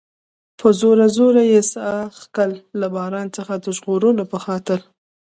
په زوره زوره یې ساه کښل، له باران څخه د ژغورلو په خاطر.